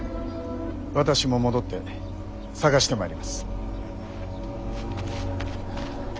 私も戻って捜してまいります。